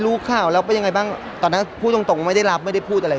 รู้ข่าวแล้วเป็นยังไงบ้างตอนนั้นพูดตรงตรงไม่ได้รับไม่ได้พูดอะไร